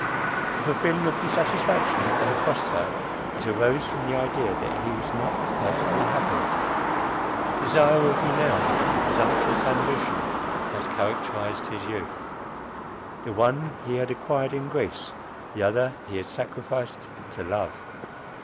If a feeling of dissatisfaction ever crossed her, it arose from the idea that he was not perfectly happy. Desire of renown, and presumptuous ambition, had characterized his youth. The one he had acquired in Greece; the other he had sacrificed to love.